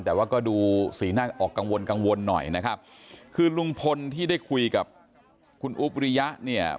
แต่ว่าก็ดูสีหน้าออกกังวลกังวลหน่อยนะครับคือลุงพลที่ได้คุยกับคุณอุ๊บริยะเนี่ย